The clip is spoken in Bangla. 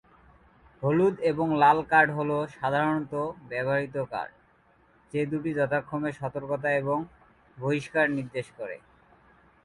হলুদ এবং লাল কার্ড হল সাধারনত ব্যবহৃত কার্ড, যে দুটি যথাক্রমে সতর্কতা এবং বহিষ্কার নির্দেশ করে।